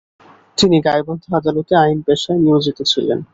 তিনি গাইবান্ধা আদালতে আইন পেশায় নিয়োজিত ছিলেন।